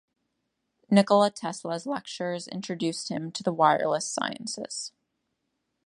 Nikola Tesla's lectures introduced him to the wireless sciences.